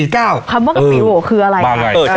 คำว่ากะปิโหคืออะไร